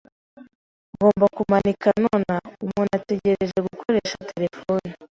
Ngomba kumanika nonaha. Umuntu ategereje gukoresha terefone.